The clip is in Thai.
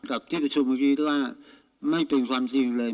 ที่ประชุมเมื่อกี้ว่าไม่เป็นความจริงเลย